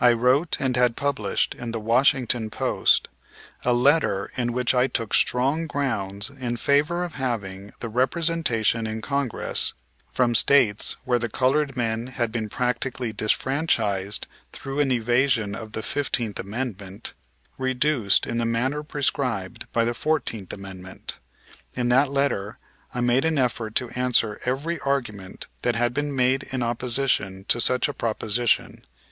I wrote and had published in the Washington Post a letter in which I took strong grounds in favor of having the representation in Congress, from States where the colored men had been practically disfranchised through an evasion of the Fifteenth Amendment, reduced in the manner prescribed by the Fourteenth Amendment. In that letter I made an effort to answer every argument that had been made in opposition to such a proposition.